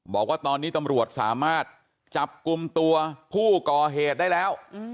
บอกว่าตอนนี้ตำรวจสามารถจับกลุ่มตัวผู้ก่อเหตุได้แล้ว